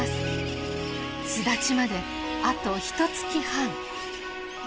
巣立ちまであとひとつき半。